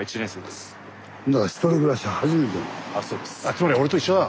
つまり俺と一緒だ。